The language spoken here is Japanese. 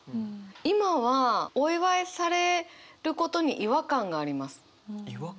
今はお祝いされることに違和感があります。